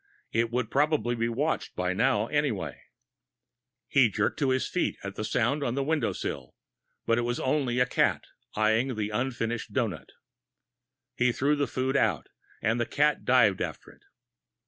It would probably be watched by now, anyway. He jerked to his feet at a sound on the window sill, but it was only a cat, eyeing the unfinished donut. He threw the food out, and the cat dived after it.